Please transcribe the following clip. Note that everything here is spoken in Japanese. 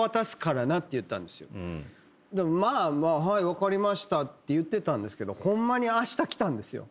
分かりましたって言ってたんですけどホンマにあした来たんですよ。